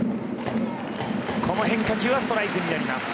この変化球はストライクになります。